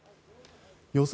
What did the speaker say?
予想